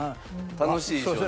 楽しいでしょうね。